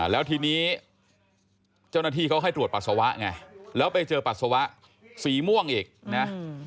แล้วทีนี้เจ้าหน้าที่เขาให้ตรวจปัสสาวะไงแล้วไปเจอปัสสาวะสีม่วงอีกนะ